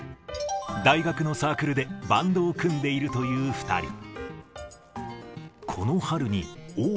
大学のサークルでバンドを組んでいるという２人。